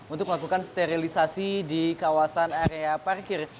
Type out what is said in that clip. untuk melakukan sterilisasi di kawasan area parkir